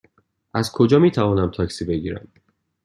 از کجا می توانم تاکسی بگیرم؟